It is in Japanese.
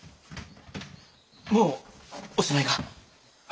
もうおしまいか？